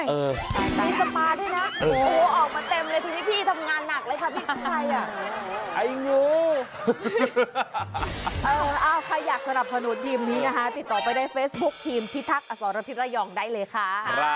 มีสปาด้วยนะออกมาเต็มเลยทีนี้พี่ทำงานหนักเลยค่ะพี่ใครอ่ะ